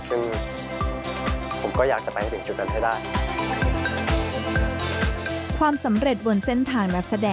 ซึ่งผมก็อยากจะไปถึงจุดนั้นให้ได้